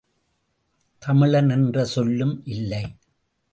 தமிழன் என்ற சொல்லும் இல்லை.